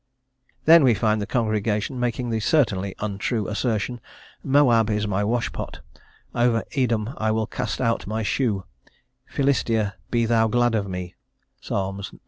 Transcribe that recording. Then we find the congregation making the certainly untrue assertion: "Moab is my wash pot; over Edom will I cast out my shoe; Philistia, be thou glad of me" (Ps. lx.).